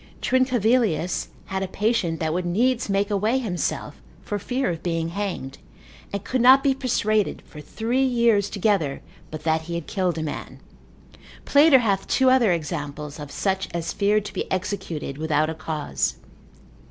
Trincavelius, consil. 13. lib. 1. had a patient that would needs make away himself, for fear of being hanged, and could not be persuaded for three years together, but that he had killed a man. Plater, observat. lib. 1. hath two other examples of such as feared to be executed without a cause.